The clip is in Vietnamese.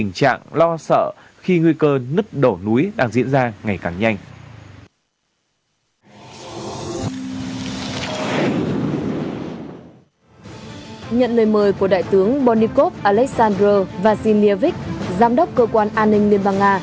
nhận lời mời của đại tướng bonikoff alexander vasilyevich giám đốc cơ quan an ninh liên bang nga